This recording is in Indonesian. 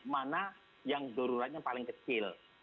mana yang doruratnya paling kecil